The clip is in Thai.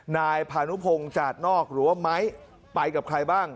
นายพานุพงศ์จาดนอกหรือว่าไม้ไปกับใครบ้าง